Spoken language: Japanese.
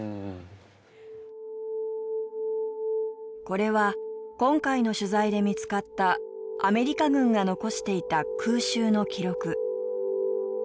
これは今回の取材で見つかったアメリカ軍が残していた空襲の記録。